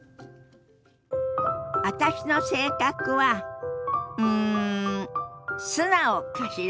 私の性格はうん素直かしら？